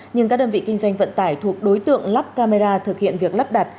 nhưng các đơn vị kinh doanh vận tải thuộc đối tượng lắp camera thực hiện việc lắp đặt